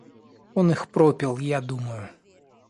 Он их пропил, я думаю.